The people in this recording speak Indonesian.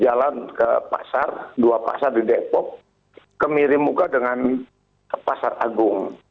jalan ke pasar dua pasar di depok kemiri muka dengan pasar agung